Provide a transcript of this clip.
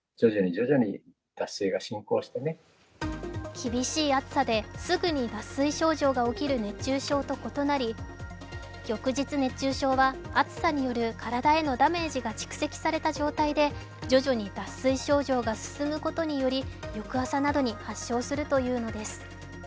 厳しい暑さですぐに脱水症状が起きる熱中症と異なり翌日熱中症は暑さによる体へのダメージが蓄積された状態で徐々に脱水症状が進むことにより翌朝などに発症するというのです。